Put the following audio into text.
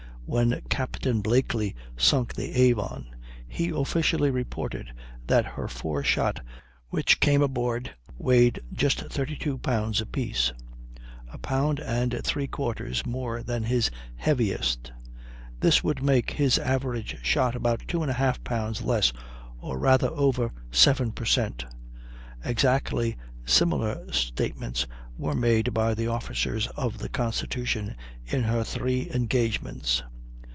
When Captain Blakely sunk the Avon he officially reported that her four shot which came aboard weighed just 32 pounds apiece, a pound and three quarters more than his heaviest; this would make his average shot about 2 1/2 pounds less, or rather over 7 per cent. Exactly similar statements were made by the officers of the Constitution in her three engagements.